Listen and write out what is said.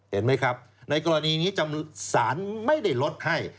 เห็นไหมครับในกรณีนี้สารไม่ได้ลดให้